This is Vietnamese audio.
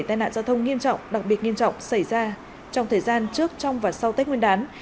tai nạn giao thông nghiêm trọng đặc biệt nghiêm trọng xảy ra trong thời gian trước trong và sau tết nguyên đán